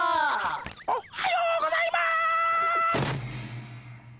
おっはようございます。